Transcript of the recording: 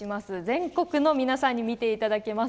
全国の皆さんに見ていただけます。